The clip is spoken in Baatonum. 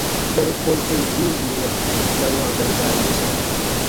Gari kom temgii yiruwa ya wãa gari baayire sɔɔ.